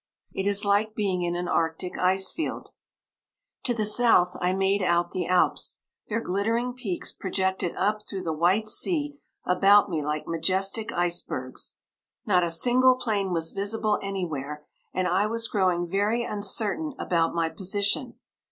It is like being in an Arctic ice field. To the south I made out the Alps. Their glittering peaks projected up through the white sea about me like majestic icebergs. Not a single plane was visible anywhere, and I was growing very uncertain about my position.